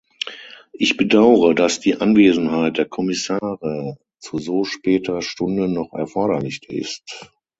Ich bedaure, dass die Anwesenheit der Kommissare zu so später Stunde noch erforderlich ist.